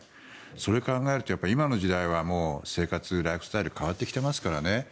それを考えると今の時代は生活、ライフスタイルが変わってきていますからね。